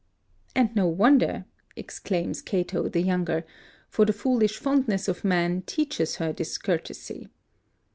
"And no wonder," exclaims Cato the younger, "for the foolish fondness of man teaches her discourtesy."